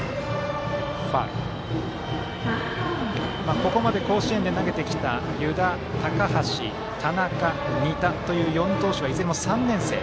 ここまで甲子園で投げてきた湯田、高橋、田中、仁田の４投手は、いずれも３年生。